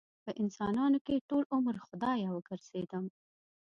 په انسانانو کې ټول عمر خدايه وګرځېدم